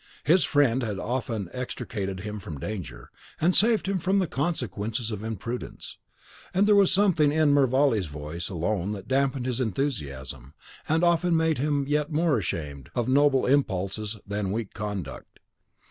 His friend had often extricated him from danger, and saved him from the consequences of imprudence; and there was something in Mervale's voice alone that damped his enthusiasm, and often made him yet more ashamed of noble impulses than weak conduct.